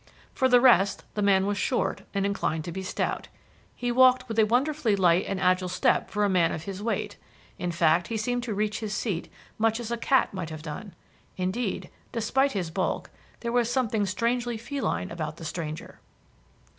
For the rest, the man was short and inclined to be stout. He walked with a wonderfully light and agile step for a man of his weight; in fact he seemed to reach his seat much as a cat might have done. Indeed, despite his bulk, there was something strangely feline about the stranger.